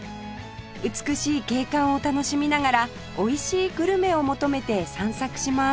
美しい景観を楽しみながら美味しいグルメを求めて散策します